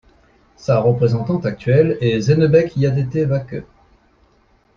Sa représentante actuelle est Zenebech Yadete Waqe.